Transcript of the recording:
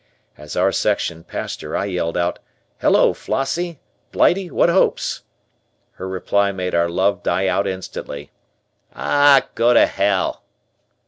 As our section passed her I yelled out: "Hello, Flossie, Blighty What Hopes?" Her reply made our love die out instantly. "Ah, go to hell!"